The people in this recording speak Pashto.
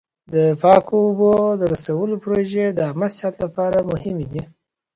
د پاکو اوبو د رسولو پروژې د عامه صحت لپاره مهمې دي.